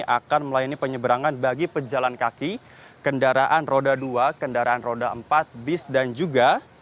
akan melayani penyeberangan bagi pejalan kaki kendaraan roda dua kendaraan roda empat bis dan juga